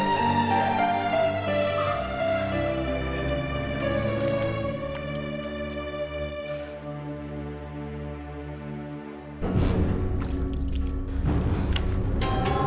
tentang nyela kata kamu